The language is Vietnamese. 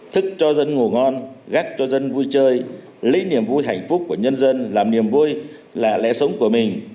thức cho dân ngủ ngon gác cho dân vui chơi lấy niềm vui hạnh phúc của nhân dân làm niềm vui là lẽ sống của mình